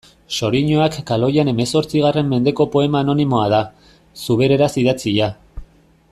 Xoriñoak kaloian hemezortzigarren mendeko poema anonimoa da, zubereraz idatzia.